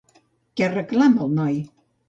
Què reclama el noi?